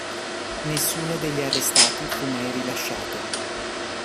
Nessuno degli arrestati fu mai rilasciato.